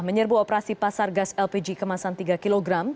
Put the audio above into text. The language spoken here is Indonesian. menyerbu operasi pasar gas lpg kemasan tiga kg